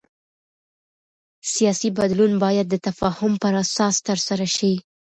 سیاسي بدلون باید د تفاهم پر اساس ترسره شي